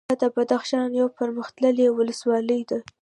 دا د بدخشان یوه پرمختللې ولسوالي ده